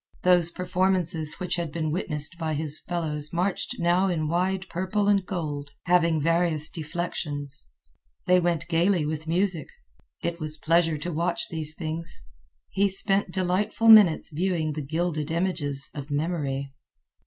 Those performances which had been witnessed by his fellows marched now in wide purple and gold, having various deflections. They went gayly with music. It was pleasure to watch these things. He spent delightful minutes viewing the gilded images of memory.